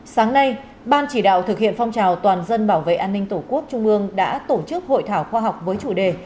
sáng nay ban chỉ đạo thực hiện phong trào toàn dân bảo vệ an ninh tổ quốc trung ương đã tổ chức hội thảo khoa học với chủ đề